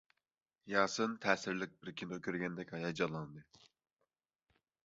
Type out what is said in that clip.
ياسىن تەسىرلىك بىر كىنو كۆرگەندەك ھاياجانلاندى.